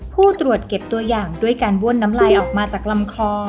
ผู้ตรวจเก็บตัวอย่างด้วยการบ้วนน้ำลายออกมาจากลำคอ